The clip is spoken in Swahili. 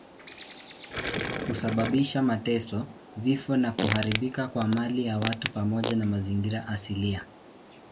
Husababisha mateso, vifo na kuharibika kwa mali ya watu pamoja na mazingira asilia.